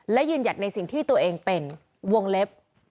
และยืนหยัดในสิ่งที่ตัวเองเป็นวงเล็บ